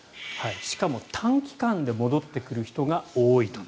しかも短期間で戻ってくる人が多いと。